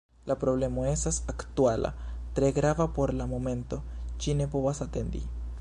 La problemo estas aktuala, tre grava por la momento, ĝi ne povas atendi.